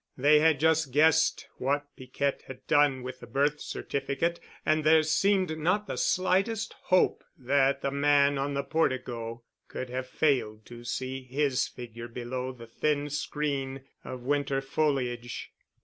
They had just guessed what Piquette had done with the birth certificate and there seemed not the slightest hope that the man on the portico could have failed to see his figure below the thin screen of winter foliage.